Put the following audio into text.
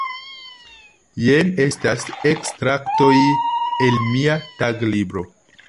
Jen estas ekstraktoj el mia taglibro.